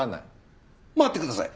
待ってください。